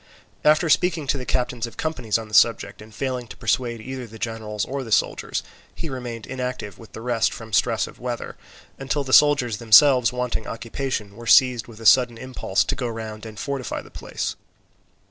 After speaking to the captains of companies on the subject, and failing to persuade either the generals or the soldiers, he remained inactive with the rest from stress of weather; until the soldiers themselves wanting occupation were seized with a sudden impulse to go round and fortify the place.